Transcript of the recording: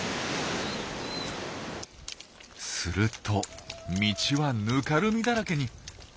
すると道はぬかるみだらけに！